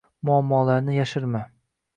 muammolarni yashirma